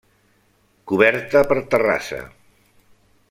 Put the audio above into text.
Coberta per terrassa.